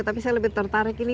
tapi saya lebih tertarik ini